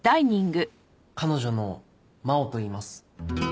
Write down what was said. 彼女の真緒といいます。